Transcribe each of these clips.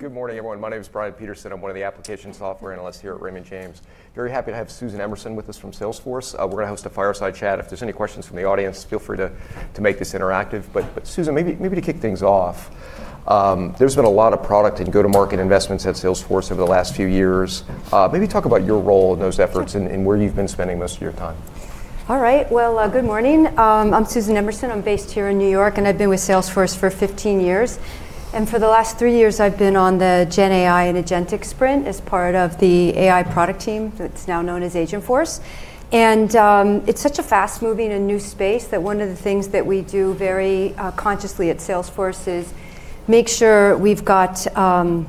Good morning, everyone. My name is Brian Peterson. I'm one of the application software analysts here at Raymond James. Very happy to have Susan Emerson with us from Salesforce. We're going to host a fireside chat. If there's any questions from the audience, feel free to make this interactive. But Susan, maybe to kick things off, there's been a lot of product and go-to-market investments at Salesforce over the last few years. Maybe talk about your role in those efforts and where you've been spending most of your time. All right. Good morning. I'm Susan Emerson. I'm based here in New York, and I've been with Salesforce for 15 years. For the last three years, I've been on the GenAI and agentic sprint as part of the AI product team that's now known as Agentforce. It's such a fast-moving and new space that one of the things that we do very consciously at Salesforce is make sure we've got, I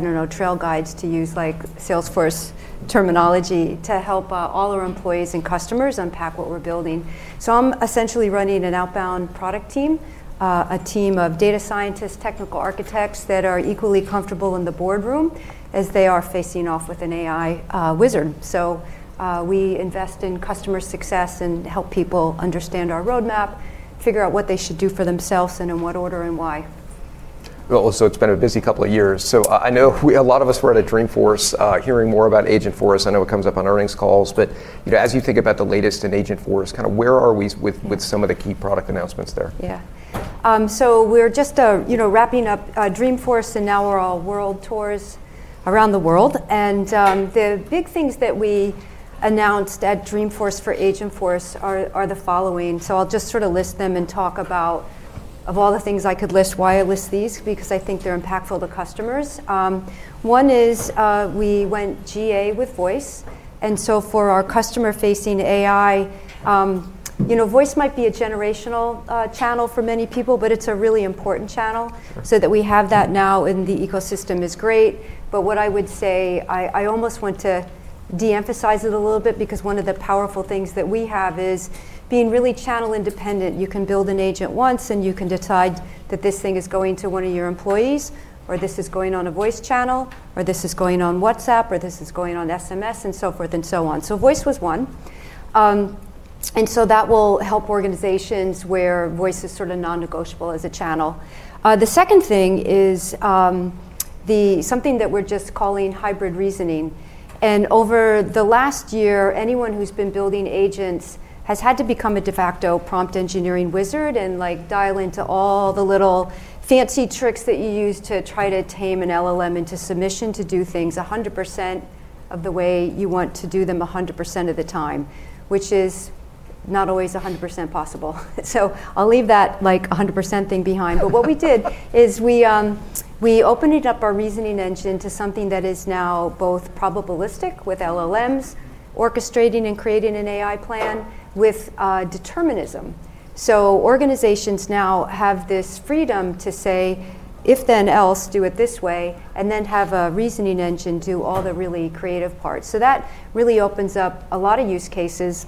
don't know, trail guides to use, like Salesforce terminology, to help all our employees and customers unpack what we're building. So I'm essentially running an outbound product team, a team of data scientists, technical architects that are equally comfortable in the boardroom as they are facing off with an AI wizard. We invest in customer success and help people understand our roadmap, figure out what they should do for themselves, and in what order and why. So it's been a busy couple of years. So I know a lot of us were at a Dreamforce hearing more about Agentforce. I know it comes up on earnings calls. But as you think about the latest in Agentforce, kind of where are we with some of the key product announcements there? Yeah. So we're just wrapping up Dreamforce, and now we're on World Tours around the world. And the big things that we announced at Dreamforce for Agentforce are the following. So I'll just sort of list them and talk about, of all the things I could list, why I list these, because I think they're impactful to customers. One is we went GA with voice. And so for our customer-facing AI, voice might be a generational channel for many people, but it's a really important channel. So that we have that now in the ecosystem is great. But what I would say, I almost want to de-emphasize it a little bit, because one of the powerful things that we have is being really channel independent. You can build an agent once, and you can decide that this thing is going to one of your employees, or this is going on a voice channel, or this is going on WhatsApp, or this is going on SMS, and so forth and so on. So voice was one. And so that will help organizations where voice is sort of non-negotiable as a channel. The second thing is something that we're just calling hybrid reasoning. And over the last year, anyone who's been building agents has had to become a de facto prompt engineering wizard and dial into all the little fancy tricks that you use to try to tame an LLM into submission to do things 100% of the way you want to do them 100% of the time, which is not always 100% possible. So I'll leave that 100% thing behind. But what we did is we opened up our reasoning engine to something that is now both probabilistic with LLMs, orchestrating and creating an AI plan with determinism. So organizations now have this freedom to say, if then else, do it this way, and then have a reasoning engine do all the really creative parts. So that really opens up a lot of use cases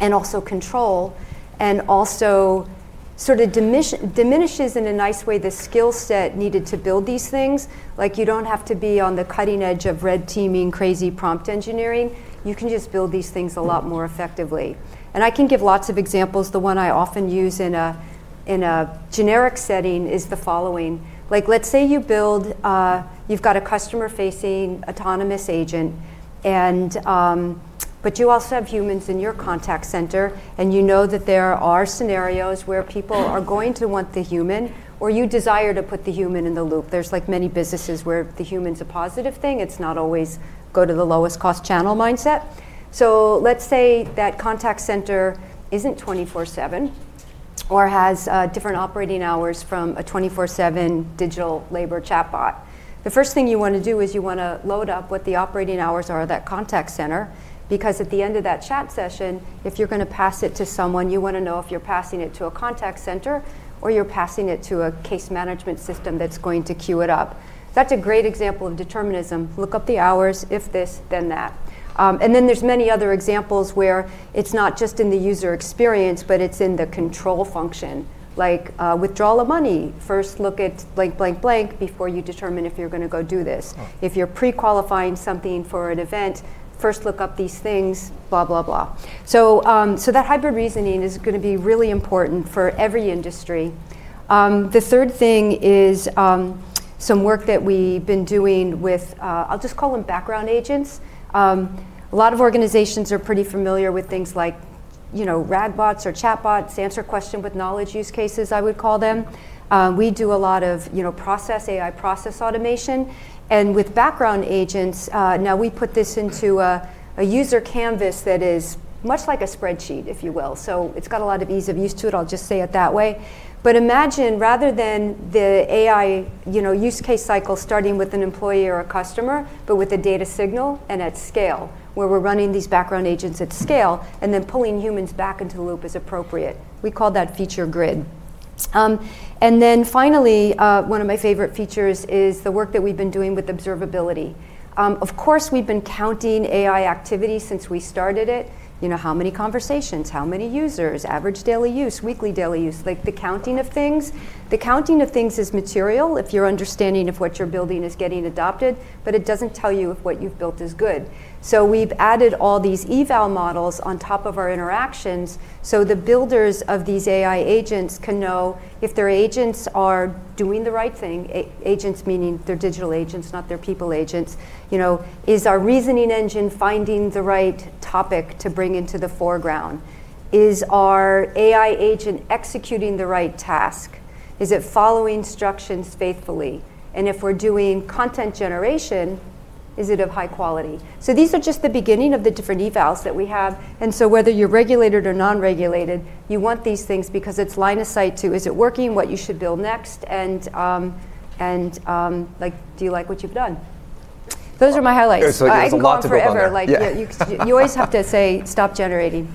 and also control and also sort of diminishes in a nice way the skill set needed to build these things. Like you don't have to be on the cutting edge of red teaming, crazy prompt engineering. You can just build these things a lot more effectively. And I can give lots of examples. The one I often use in a generic setting is the following. Like let's say you've got a customer-facing autonomous agent, but you also have humans in your contact center, and you know that there are scenarios where people are going to want the human, or you desire to put the human in the loop. There's like many businesses where the human's a positive thing. It's not always go to the lowest cost channel mindset. So let's say that contact center isn't 24/7 or has different operating hours from a 24/7 digital labor chatbot. The first thing you want to do is you want to load up what the operating hours are of that contact center, because at the end of that chat session, if you're going to pass it to someone, you want to know if you're passing it to a contact center or you're passing it to a case management system that's going to queue it up. That's a great example of determinism. Look up the hours. If this, then that. And then there's many other examples where it's not just in the user experience, but it's in the control function. Like withdrawal of money, first look at blank, blank, blank before you determine if you're going to go do this. If you're pre-qualifying something for an event, first look up these things, blah, blah, blah. So that hybrid reasoning is going to be really important for every industry. The third thing is some work that we've been doing with, I'll just call them background agents. A lot of organizations are pretty familiar with things like RAG bots or chatbots, answer question with knowledge use cases, I would call them. We do a lot of process, AI process automation. With background agents, now we put this into a user canvas that is much like a spreadsheet, if you will. It's got a lot of ease of use to it. I'll just say it that way. Imagine rather than the AI use case cycle starting with an employee or a customer, but with a data signal and at scale, where we're running these background agents at scale, and then pulling humans back into the loop as appropriate. We call that feature grid. Then finally, one of my favorite features is the work that we've been doing with observability. Of course, we've been counting AI activity since we started it. How many conversations, how many users, average daily use, weekly daily use, like the counting of things. The counting of things is material if your understanding of what you're building is getting adopted, but it doesn't tell you if what you've built is good. So we've added all these eval models on top of our interactions so the builders of these AI agents can know if their agents are doing the right thing, agents meaning their digital agents, not their people agents. Is our reasoning engine finding the right topic to bring into the foreground? Is our AI agent executing the right task? Is it following instructions faithfully? And if we're doing content generation, is it of high quality? So these are just the beginning of the different evals that we have. And so whether you're regulated or non-regulated, you want these things because it's line of sight to is it working?, what you should build next?, and do you like what you've done? Those are my highlights. There's lots of. I like whatever. You always have to say, stop generating.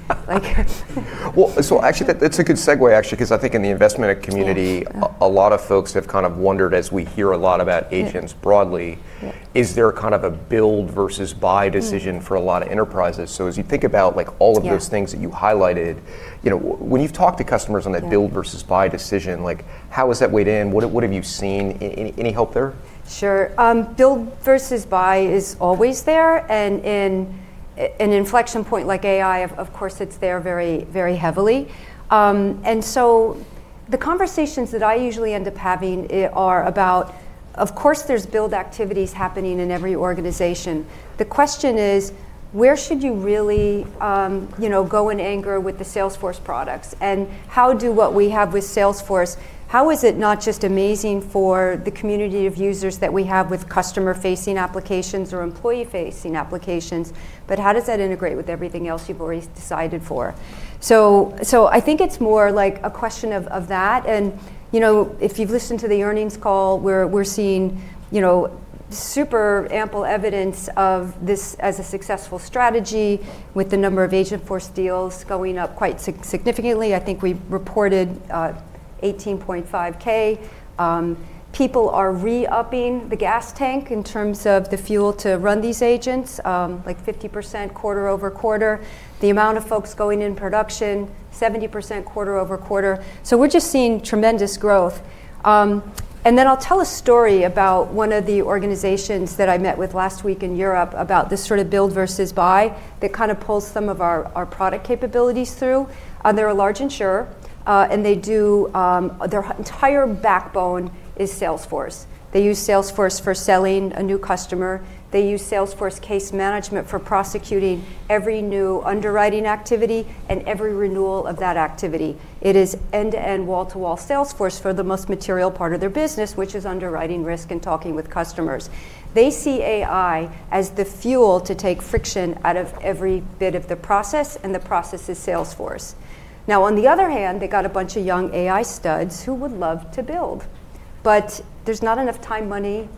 Well, so actually, that's a good segue, actually, because I think in the investment community, a lot of folks have kind of wondered as we hear a lot about agents broadly, is there kind of a build versus buy decision for a lot of enterprises? So as you think about all of those things that you highlighted, when you've talked to customers on that build versus buy decision, how is that weighed in? What have you seen? Any help there? Sure. Build versus buy is always there. And in an inflection point like AI, of course, it's there very heavily. And so the conversations that I usually end up having are about, of course, there's build activities happening in every organization. The question is, where should you really go in anger with the Salesforce products? And how do what we have with Salesforce, how is it not just amazing for the community of users that we have with customer-facing applications or employee-facing applications, but how does that integrate with everything else you've already decided for? So I think it's more like a question of that. And if you've listened to the earnings call, we're seeing super ample evidence of this as a successful strategy with the number of Agentforce deals going up quite significantly. I think we reported 18.5K. People are re-upping the gas tank in terms of the fuel to run these agents, like 50% quarter over quarter. The amount of folks going in production, 70% quarter over quarter. So we're just seeing tremendous growth. And then I'll tell a story about one of the organizations that I met with last week in Europe about this sort of build versus buy that kind of pulls some of our product capabilities through. They're a large insurer, and their entire backbone is Salesforce. They use Salesforce for selling a new customer. They use Salesforce case management for processing every new underwriting activity and every renewal of that activity. It is end-to-end wall-to-wall Salesforce for the most material part of their business, which is underwriting risk and talking with customers. They see AI as the fuel to take friction out of every bit of the process, and the process is Salesforce. Now, on the other hand, they got a bunch of young AI studs who would love to build, but there's not enough time, money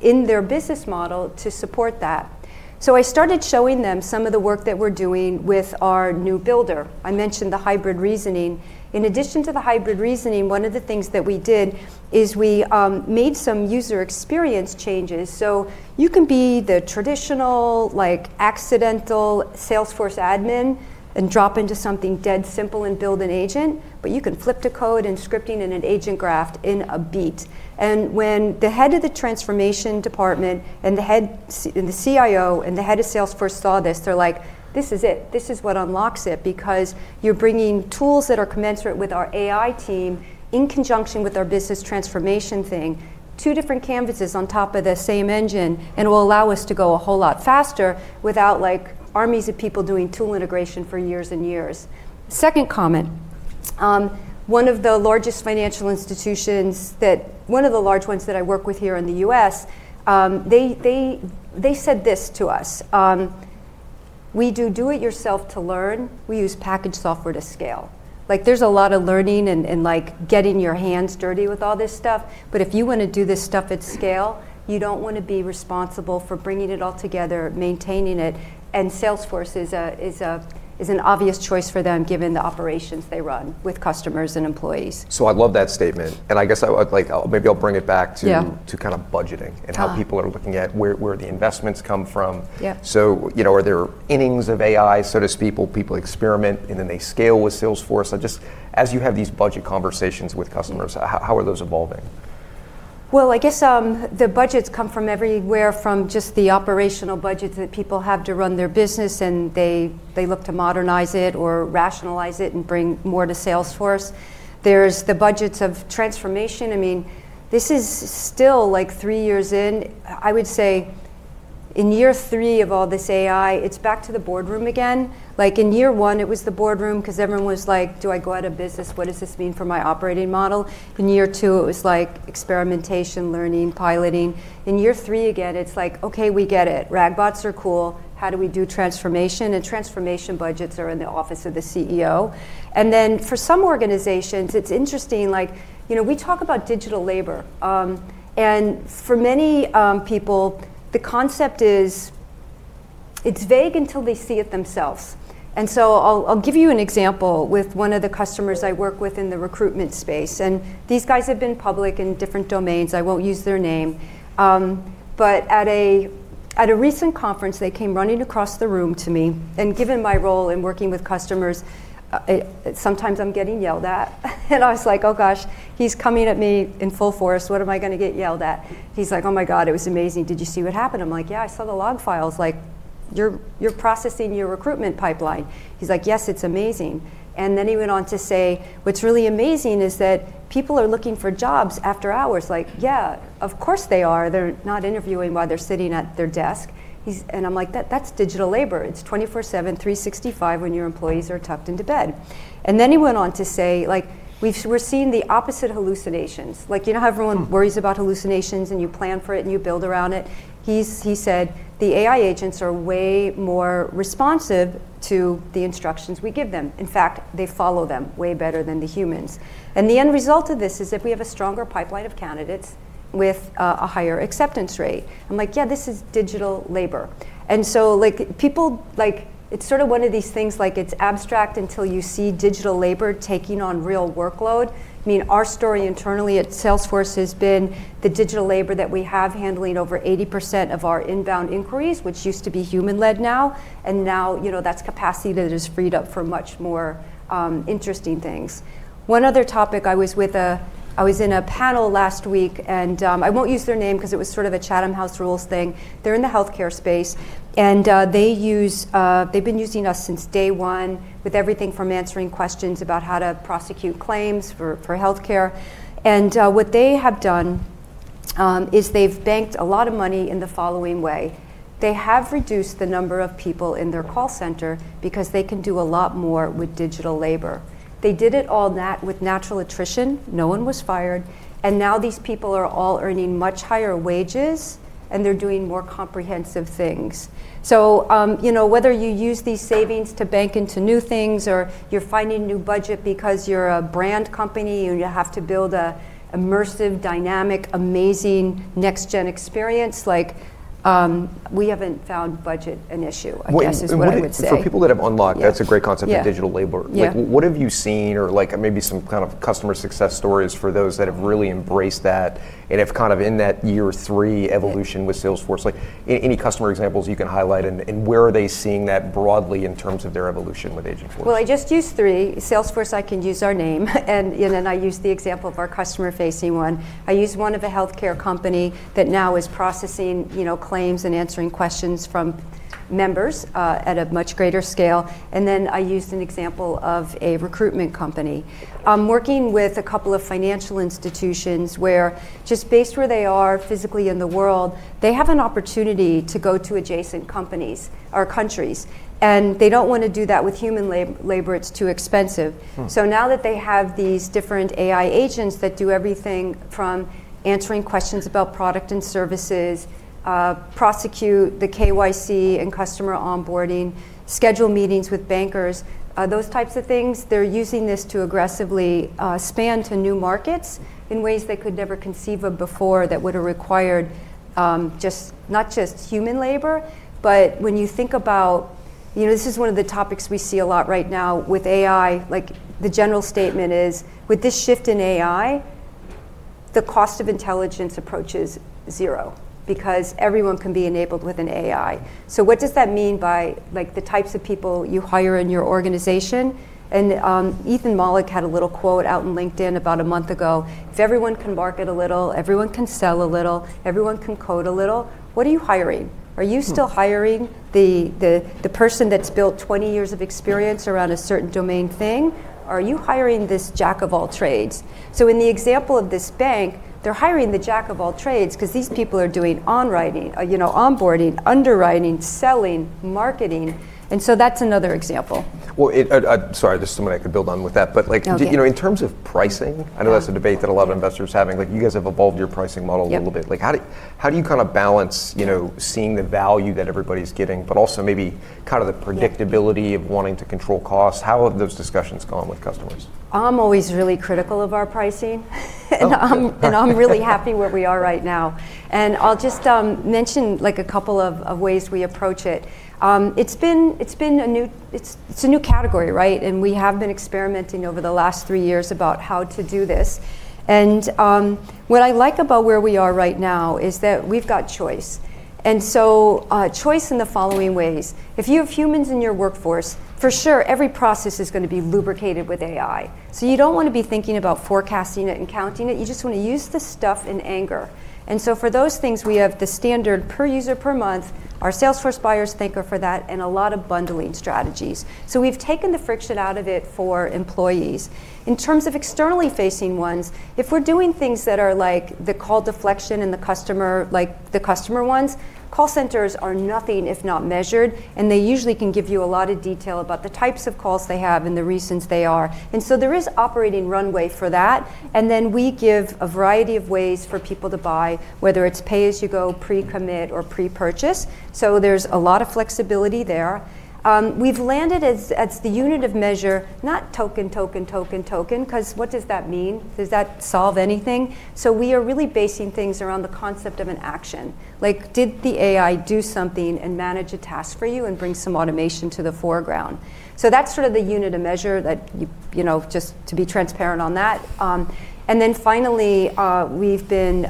in their business model to support that. So I started showing them some of the work that we're doing with our new builder. I mentioned the hybrid reasoning. In addition to the hybrid reasoning, one of the things that we did is we made some user experience changes. So you can be the traditional accidental Salesforce admin and drop into something dead simple and build an agent, but you can flip to code and scripting and an agent graph in a beat, and when the head of the transformation department and the CIO and the head of Salesforce saw this, they're like, "This is it. This is what unlocks it because you're bringing tools that are commensurate with our AI team in conjunction with our business transformation thing, two different canvases on top of the same engine, and will allow us to go a whole lot faster without armies of people doing tool integration for years and years. Second comment, one of the largest financial institutions, one of the large ones that I work with here in the U.S., they said this to us. We do do-it-yourself to learn. We use packaged software to scale. There's a lot of learning and getting your hands dirty with all this stuff. But if you want to do this stuff at scale, you don't want to be responsible for bringing it all together, maintaining it. And Salesforce is an obvious choice for them given the operations they run with customers and employees. So I love that statement. And I guess maybe I'll bring it back to kind of budgeting and how people are looking at where the investments come from. So are there innings of AI, so to speak? People experiment, and then they scale with Salesforce. As you have these budget conversations with customers, how are those evolving? I guess the budgets come from everywhere, from just the operational budgets that people have to run their business, and they look to modernize it or rationalize it and bring more to Salesforce. There's the budgets of transformation. I mean, this is still like three years in. I would say in year three of all this AI, it's back to the boardroom again. In year one, it was the boardroom because everyone was like, do I go out of business? What does this mean for my operating model? In year two, it was like experimentation, learning, piloting. In year three again, it's like, OK, we get it. RAG bots are cool. How do we do transformation? And transformation budgets are in the office of the CEO. And then for some organizations, it's interesting. We talk about digital labor. For many people, the concept is it's vague until they see it themselves. I'll give you an example with one of the customers I work with in the recruitment space. These guys have been public in different domains. I won't use their name. At a recent conference, they came running across the room to me. Given my role in working with customers, sometimes I'm getting yelled at. I was like, oh gosh, he's coming at me in full force. What am I going to get yelled at? He's like, oh my god, it was amazing. Did you see what happened? I'm like, yeah, I saw the log files. You're processing your recruitment pipeline. He's like, yes, it's amazing. He went on to say, what's really amazing is that people are looking for jobs after hours. Like, yeah, of course they are. They're not interviewing while they're sitting at their desk. And I'm like, that's digital labor. It's 24/7, 365 when your employees are tucked into bed. And then he went on to say, we're seeing the opposite hallucinations. You know how everyone worries about hallucinations, and you plan for it, and you build around it? He said the AI agents are way more responsive to the instructions we give them. In fact, they follow them way better than the humans. And the end result of this is that we have a stronger pipeline of candidates with a higher acceptance rate. I'm like, yeah, this is digital labor. And so it's sort of one of these things. It's abstract until you see digital labor taking on real workload. I mean, our story internally at Salesforce has been the digital labor that we have handling over 80% of our inbound inquiries, which used to be human-led now. And now that's capacity that is freed up for much more interesting things. One other topic, I was in a panel last week, and I won't use their name because it was sort of a Chatham House Rules thing. They're in the healthcare space. And they've been using us since day one with everything from answering questions about how to prosecute claims for healthcare. And what they have done is they've banked a lot of money in the following way. They have reduced the number of people in their call center because they can do a lot more with digital labor. They did it all with natural attrition. No one was fired. Now these people are all earning much higher wages, and they're doing more comprehensive things. Whether you use these savings to bank into new things or you're finding new budget because you're a brand company and you have to build an immersive, dynamic, amazing next-gen experience, we haven't found budget an issue, I guess is what I would say. For people that have unlocked, that's a great concept, digital labor. What have you seen or maybe some kind of customer success stories for those that have really embraced that and have kind of in that year three evolution with Salesforce? Any customer examples you can highlight, and where are they seeing that broadly in terms of their evolution with Agentforce? Well, I just used three. Salesforce, I can use our name. And then I used the example of our customer-facing one. I used one of a healthcare company that now is processing claims and answering questions from members at a much greater scale. And then I used an example of a recruitment company. I'm working with a couple of financial institutions where, just based where they are physically in the world, they have an opportunity to go to adjacent companies or countries. And they don't want to do that with human labor. It's too expensive. So now that they have these different AI agents that do everything from answering questions about product and services, prosecute the KYC and customer onboarding, schedule meetings with bankers, those types of things, they're using this to aggressively expand to new markets in ways they could never conceive of before that would have required not just human labor. But when you think about this is one of the topics we see a lot right now with AI. The general statement is, with this shift in AI, the cost of intelligence approaches zero because everyone can be enabled with an AI. So what does that mean by the types of people you hire in your organization? And Ethan Mollick had a little quote out on LinkedIn about a month ago. If everyone can market a little, everyone can sell a little, everyone can code a little, what are you hiring? Are you still hiring the person that's built 20 years of experience around a certain domain thing? Are you hiring this jack of all trades? So in the example of this bank, they're hiring the jack of all trades because these people are doing onboarding, underwriting, selling, marketing. And so that's another example. Sorry, just something I could build on with that. But in terms of pricing, I know that's a debate that a lot of investors are having. You guys have evolved your pricing model a little bit. How do you kind of balance seeing the value that everybody's getting, but also maybe kind of the predictability of wanting to control costs? How have those discussions gone with customers? I'm always really critical of our pricing. And I'm really happy where we are right now. And I'll just mention a couple of ways we approach it. It's been a new category, right? And we have been experimenting over the last three years about how to do this. And what I like about where we are right now is that we've got choice. And so choice in the following ways. If you have humans in your workforce, for sure, every process is going to be lubricated with AI. So you don't want to be thinking about forecasting it and counting it. You just want to use the stuff in anger. And so for those things, we have the standard per user per month, our Salesforce buyers think for that, and a lot of bundling strategies. So we've taken the friction out of it for employees. In terms of externally facing ones, if we're doing things that are like the call deflection and the customer ones, call centers are nothing if not measured, and they usually can give you a lot of detail about the types of calls they have and the reasons they are, and so there is operating runway for that, and then we give a variety of ways for people to buy, whether it's pay as you go, pre-commit, or pre-purchase, so there's a lot of flexibility there. We've landed as the unit of measure, not token, token, token, token, because what does that mean? Does that solve anything, so we are really basing things around the concept of an action? Did the AI do something and manage a task for you and bring some automation to the foreground, so that's sort of the unit of measure, just to be transparent on that. Finally, we've been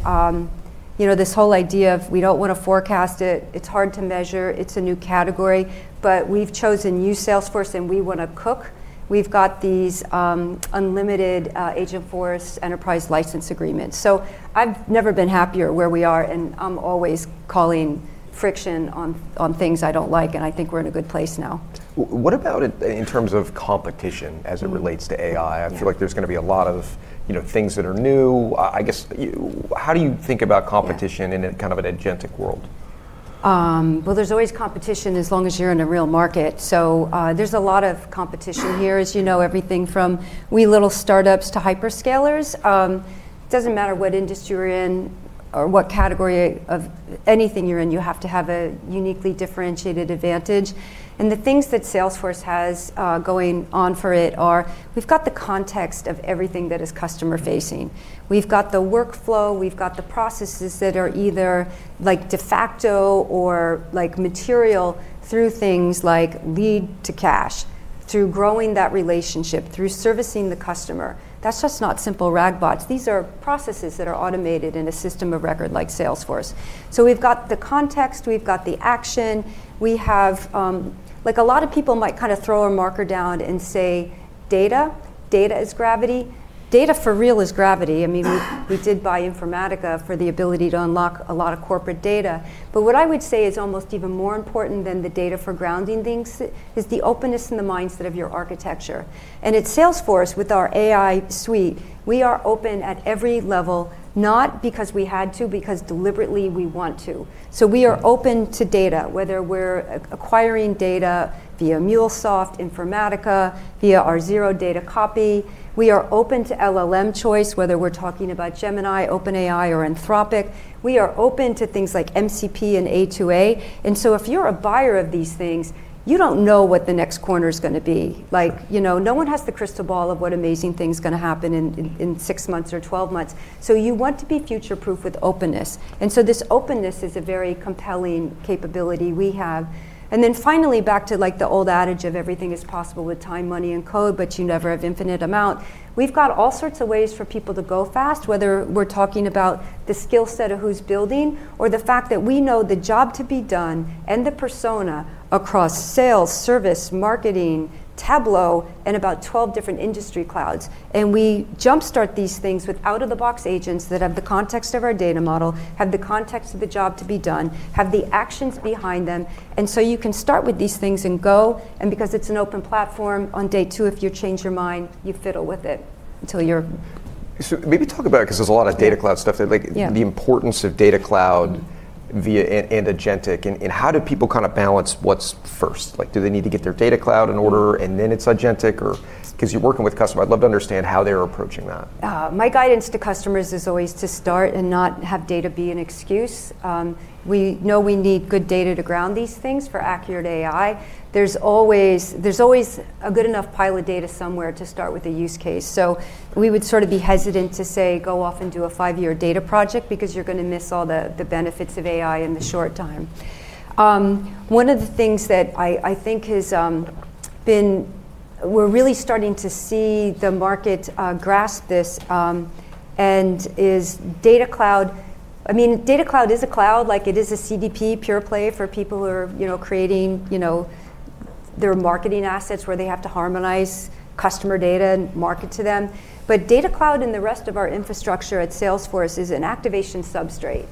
this whole idea of we don't want to forecast it. It's hard to measure. It's a new category. But we've chosen new Salesforce, and we want to cook. We've got these unlimited Agentforce enterprise license agreements. So I've never been happier where we are. And I'm always calling friction on things I don't like. And I think we're in a good place now. What about in terms of competition as it relates to AI? I feel like there's going to be a lot of things that are new. I guess, how do you think about competition in kind of an agentic world? There's always competition as long as you're in a real market. There's a lot of competition here, as you know, everything from wee little startups to hyperscalers. It doesn't matter what industry you're in or what category of anything you're in. You have to have a uniquely differentiated advantage. The things that Salesforce has going on for it are, we've got the context of everything that is customer-facing. We've got the workflow. We've got the processes that are either de facto or material through things like Lead-to-Cash, through growing that relationship, through servicing the customer. That's just not simple RAG bots. These are processes that are automated in a system of record like Salesforce. We've got the context. We've got the action. A lot of people might kind of throw a marker down and say, data. Data is gravity. Data for real is gravity. I mean, we did buy Informatica for the ability to unlock a lot of corporate data. But what I would say is almost even more important than the data for grounding things is the openness and the mindset of your architecture. And at Salesforce, with our AI suite, we are open at every level, not because we had to, because deliberately we want to. So we are open to data, whether we're acquiring data via MuleSoft, Informatica, via our Zero Data Copy. We are open to LLM choice, whether we're talking about Gemini, OpenAI, or Anthropic. We are open to things like MCP and A2A. And so if you're a buyer of these things, you don't know what the next corner is going to be. No one has the crystal ball of what amazing thing is going to happen in six months or 12 months. So you want to be future-proof with openness. And so this openness is a very compelling capability we have. And then finally, back to the old adage of everything is possible with time, money, and code, but you never have infinite amount. We've got all sorts of ways for people to go fast, whether we're talking about the skill set of who's building or the fact that we know the job to be done and the persona across sales, service, marketing, Tableau, and about 12 different industry clouds. And we jumpstart these things with out-of-the-box agents that have the context of our data model, have the context of the job to be done, have the actions behind them. And so you can start with these things and go. And because it's an open platform, on day two, if you change your mind, you fiddle with it until you're. So maybe talk about it, because there's a lot of Data Cloud stuff, the importance of Data Cloud and agentic. And how do people kind of balance what's first? Do they need to get their Data Cloud in order, and then it's agentic? Or because you're working with customers, I'd love to understand how they're approaching that. My guidance to customers is always to start and not have data be an excuse. We know we need good data to ground these things for accurate AI. There's always a good enough pile of data somewhere to start with a use case. So we would sort of be hesitant to say, go off and do a five-year data project because you're going to miss all the benefits of AI in the short time. One of the things that I think has been we're really starting to see the market grasp this and is Data Cloud. I mean, Data Cloud is a cloud. It is a CDP, pure play for people who are creating their marketing assets where they have to harmonize customer data and market to them. But Data Cloud and the rest of our infrastructure at Salesforce is an activation substrate.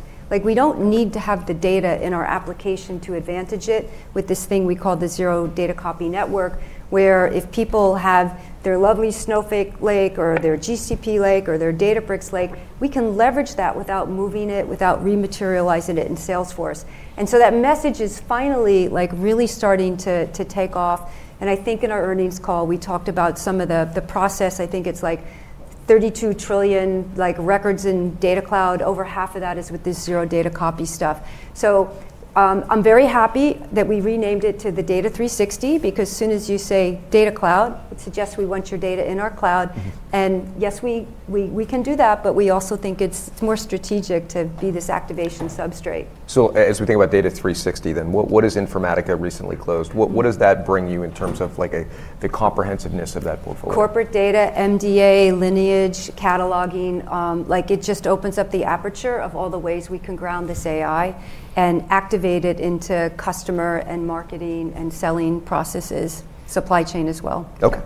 We don't need to have the data in our application to advantage it with this thing we call the Zero Data Copy Network, where if people have their lovely Snowflake Lake or their GCP Lake or their Databricks Lake, we can leverage that without moving it, without rematerializing it in Salesforce. And so that message is finally really starting to take off. And I think in our earnings call, we talked about some of the process. I think it's like 32 trillion records in Data Cloud. Over half of that is with this Zero Data Copy stuff. So I'm very happy that we renamed it to the Data 360, because as soon as you say Data Cloud, it suggests we want your data in our cloud. And yes, we can do that, but we also think it's more strategic to be this activation substrate. So as we think about Data 360, then what has Informatica recently closed? What does that bring you in terms of the comprehensiveness of that portfolio? Corporate data, MDA, lineage, cataloging. It just opens up the aperture of all the ways we can ground this AI and activate it into customer and marketing and selling processes, supply chain as well. OK.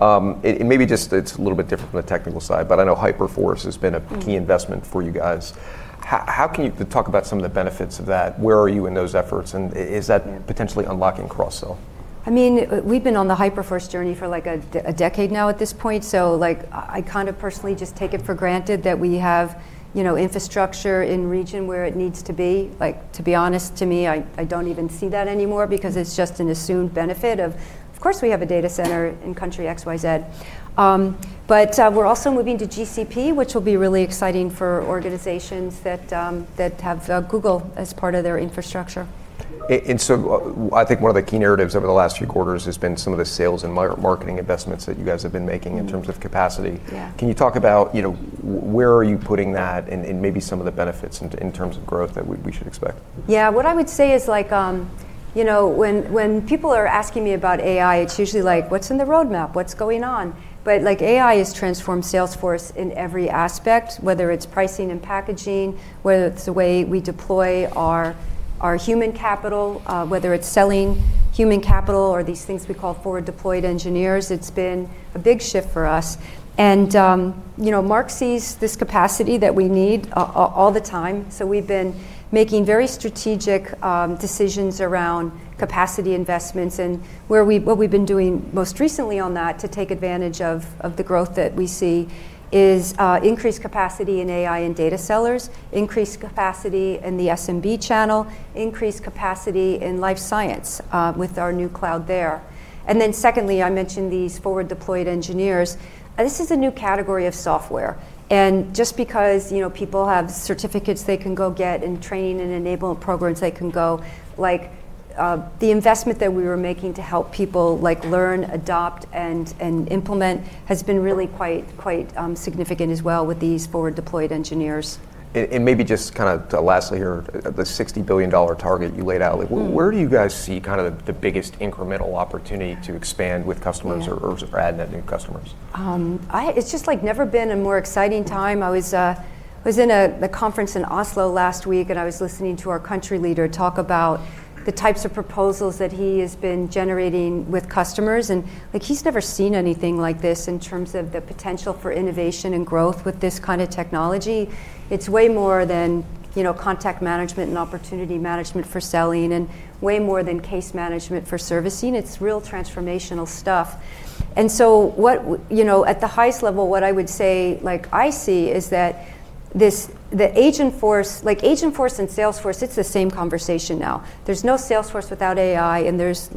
And maybe just it's a little bit different from the technical side, but I know Hyperforce has been a key investment for you guys. How can you talk about some of the benefits of that? Where are you in those efforts? And is that potentially unlocking cross-sell? I mean, we've been on the Hyperforce journey for like a decade now at this point. So I kind of personally just take it for granted that we have infrastructure in region where it needs to be. To be honest, to me, I don't even see that anymore because it's just an assumed benefit of course, we have a data center in country X, Y, Z. But we're also moving to GCP, which will be really exciting for organizations that have Google as part of their infrastructure. I think one of the key narratives over the last few quarters has been some of the sales and marketing investments that you guys have been making in terms of capacity. Can you talk about where are you putting that and maybe some of the benefits in terms of growth that we should expect? Yeah. What I would say is, when people are asking me about AI, it's usually like, what's in the roadmap? What's going on? But AI has transformed Salesforce in every aspect, whether it's pricing and packaging, whether it's the way we deploy our human capital, whether it's selling human capital or these things we call forward-deployed engineers. It's been a big shift for us. And Marc sees this capacity that we need all the time. So we've been making very strategic decisions around capacity investments. And what we've been doing most recently on that to take advantage of the growth that we see is increased capacity in AI and data sellers, increased capacity in the SMB channel, increased capacity in Life Sciences with our new cloud there. And then secondly, I mentioned these forward-deployed engineers. This is a new category of software. Just because people have certificates they can go get and training and enablement programs, they can go. The investment that we were making to help people learn, adopt, and implement has been really quite significant as well with these forward-deployed engineers. And maybe just kind of lastly here, the $60 billion target you laid out, where do you guys see kind of the biggest incremental opportunity to expand with customers or add new customers? It's just like, never been a more exciting time. I was in a conference in Oslo last week, and I was listening to our country leader talk about the types of proposals that he has been generating with customers, and he's never seen anything like this in terms of the potential for innovation and growth with this kind of technology. It's way more than contact management and opportunity management for selling and way more than case management for servicing. It's real transformational stuff, and so at the highest level, what I would say I see is that the Agentforce and Salesforce, it's the same conversation now. There's no Salesforce without AI, and there's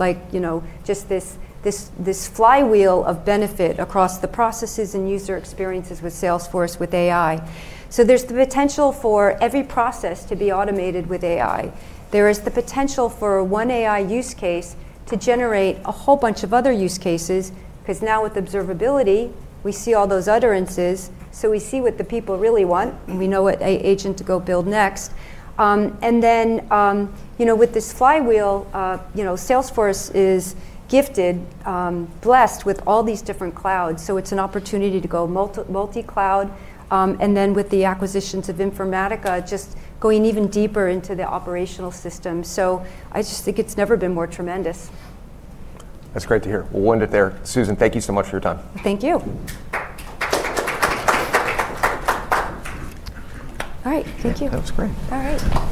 just this flywheel of benefit across the processes and user experiences with Salesforce with AI, so there's the potential for every process to be automated with AI. There is the potential for one AI use case to generate a whole bunch of other use cases, because now with observability, we see all those utterances. So we see what the people really want. We know what agent to go build next. And then with this flywheel, Salesforce is gifted, blessed with all these different clouds. So it's an opportunity to go multi-cloud. And then with the acquisitions of Informatica, just going even deeper into the operational system. So I just think it's never been more tremendous. That's great to hear. We'll end it there. Susan, thank you so much for your time. Thank you. All right. Thank you. That was great. All right.